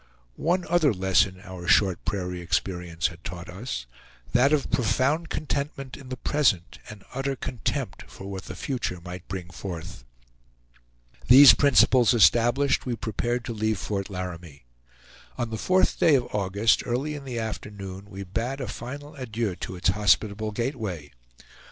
One other lesson our short prairie experience had taught us; that of profound contentment in the present, and utter contempt for what the future might bring forth. These principles established, we prepared to leave Fort Laramie. On the fourth day of August, early in the afternoon, we bade a final adieu to its hospitable gateway.